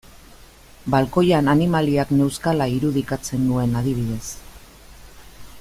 Balkoian animaliak neuzkala irudikatzen nuen adibidez.